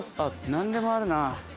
何でもあるな。